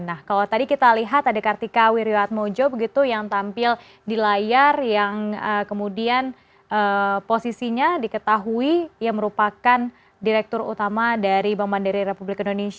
nah kalau tadi kita lihat adek artika wiriwadmojo begitu yang tampil di layar yang kemudian posisinya diketahui yang merupakan direktur utama dari bumn